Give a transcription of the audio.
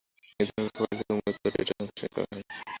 এধরনের প্রেক্ষাপট থেকেই মূলত ডেটা ট্রান্সফরমেশন করা হয়।